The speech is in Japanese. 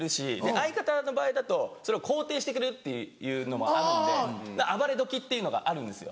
相方の場合だと肯定してくれるっていうのもあるんで暴れ時っていうのがあるんですよ。